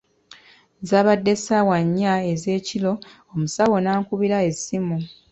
Zabadde ssaawa nnya ez’ekiro, omusawo n’ankubira essimu.